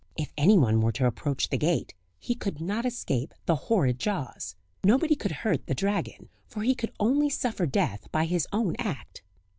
If anyone were to approach the gate he could not escape the horrid jaws. Nobody could hurt the dragon; for he could only suffer death by his own act.